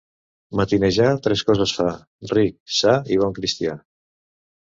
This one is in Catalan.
Matinejar tres coses fa: ric, sa i bon cristià.